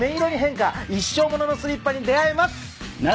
一生物のスリッパに出合えます。